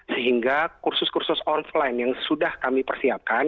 sehingga kursus kursus online yang sudah kami persiapkan